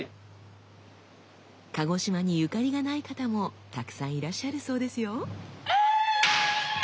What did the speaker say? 鹿児島にゆかりがない方もたくさんいらっしゃるそうですよ。